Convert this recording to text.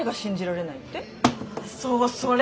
そうそれ！